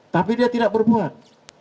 tapi dia tidak berbuat